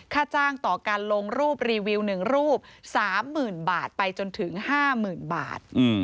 ค่าจ้างต่อการลงรูปรีวิว๑รูป๓๐๐๐บาทไปจนถึง๕๐๐๐บาท